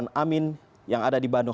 roby sofwan amin yang ada di bandung